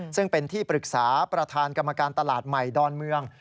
ซึ่งเป็นที่ปรึกษาประธานกรรมการตลาดใหม่ดอนเมือง